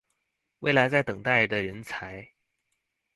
未來在等待的人才